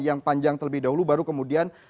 yang panjang terlebih dahulu baru kemudian